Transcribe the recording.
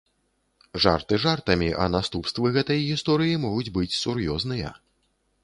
Жарты жартамі, а наступствы гэтай гісторыі могуць быць сур'ёзныя.